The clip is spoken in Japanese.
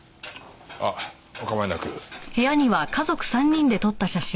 ああお構いなく。